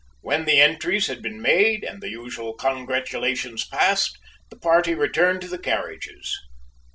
When the entries had been made, and the usual congratulations passed, the party returned to the carriages.